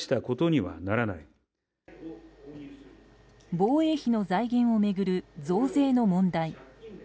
防衛費の財源を巡る増税の問題。